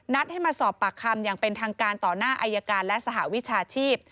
ให้มาสอบปากคำอย่างเป็นทางการต่อหน้าอายการและสหวิชาชีพ